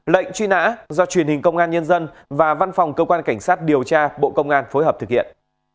lệnh truy nã do truyền hình công an nhân dân và văn phòng cơ quan cảnh sát điều tra bộ công an phối hợp thực hiện